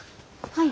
はい。